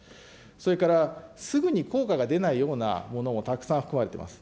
それからすぐに効果が出ないようなものもたくさん含まれています。